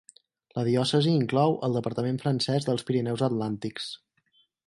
La diòcesi inclou el departament francès dels Pirineus atlàntics.